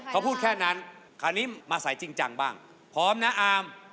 เขาพูดแค่นั้นคราวนี้มาใส่จริงจังบ้างพร้อมนะอาม